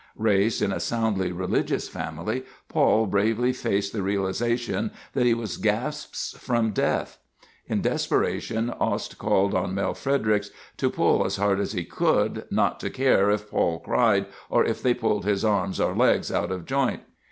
Raised in a soundly religious family, Paul bravely faced the realization that he was gasps from death. In desperation, Ost called on Mel Fredericks to pull as hard as he could, not to care if Paul cried, or if they pulled his arms or legs out of joint.